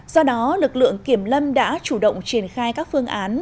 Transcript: do đó lực lượng kiểm lâm đã chủ động triển khai các phương án